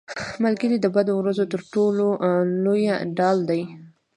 ملګری د بدو ورځو تر ټولو لویه ډال دی